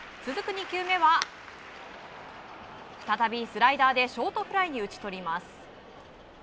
２球目は再びスライダーでショートフライに打ち取ります。